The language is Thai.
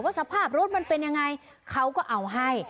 สภาพรถมันเป็นยังไงเขาก็เอาให้